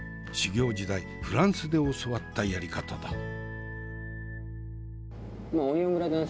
修業時代フランスで教わったやり方だ。